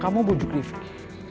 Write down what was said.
kamu bujuk rifqi